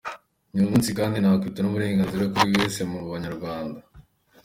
Ni umunsi kandi nakwita uw’uburenganzira kuri buri wese mu banyarwanda.